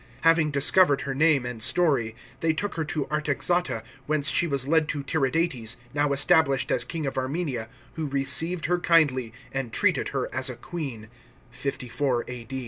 Having discovered her name and story, they took her to Artaxata, whence she was led to Tiridates, now established as king of Armenia, who received her kindly, and treated her as a queen (54 A.